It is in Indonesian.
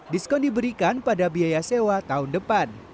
diskon diberikan pada biaya sewa tahun depan